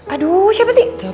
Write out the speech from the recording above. aduh siapa sih